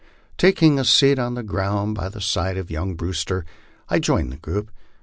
Taking a seat on the ground by the side of young Brewster, I joined the group.